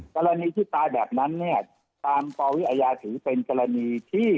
กรณีที่ตายแบบนั้นเนี่ยตามปวิอาญาถือเป็นกรณีที่